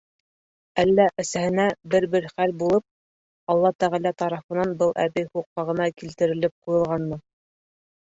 Әллә әсәһенә бер-бер хәл булып, Аллаһы Тәғәлә тарафынан был әбей һуҡмағына килтерелеп ҡуйылғанмы?!